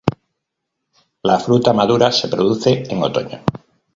La fruta madura se produce en otoño.